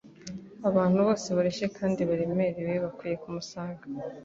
Abantu bose barushye kandi baremerewe bakwiye kumusanga.